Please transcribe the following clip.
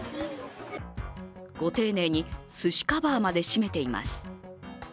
ご丁寧に、寿司カバーまでしめています。